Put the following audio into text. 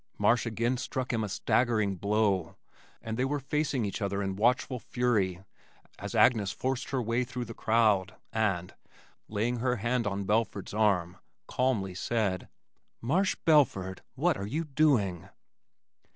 Marsh again struck him a staggering blow, and they were facing each other in watchful fury as Agnes forced her way through the crowd and, laying her hand on Belford's arm, calmly said, "Marsh Belford, what are you doing?"